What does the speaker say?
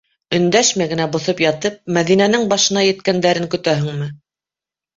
Өндәшмәй генә боҫоп ятып, Мәҙинәнең башына еткәндәрен көтәһеңме?